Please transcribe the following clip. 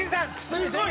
すごい。